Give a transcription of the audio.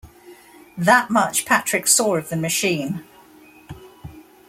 That much Patrick saw of the machine.